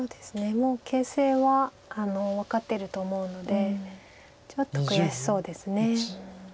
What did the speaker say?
もう形勢は分かってると思うのでちょっと悔しそうです。